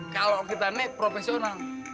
kalau kita nih profesional